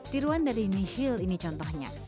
tiruan dari nihil ini contohnya